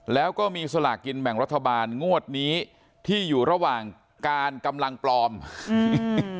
แล้วก็มีสลากกินแบ่งรัฐบาลงวดนี้ที่อยู่ระหว่างการกำลังปลอมอืม